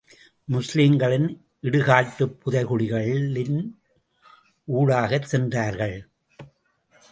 முஸ்லீம்களின் இடுகாட்டுப் புதை குழிகளின் ஊடாகச் சென்றார்கள்.